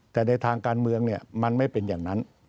แต่ในทางการเมืองเนี่ยมันไม่เป็นอย่างนั้น